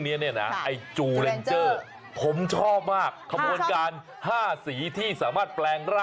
เป็นเรนเจอร์